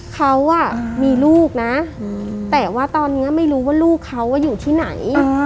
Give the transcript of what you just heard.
เขามีลูกนะแต่ว่าตอนนี้ไม่รู้ว่าลูกเขาอยู่ที่ไหน